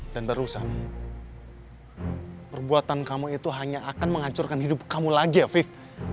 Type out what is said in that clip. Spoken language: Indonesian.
dan barusan perbuatan kamu itu hanya akan menghancurkan hidup kamu lagi afiq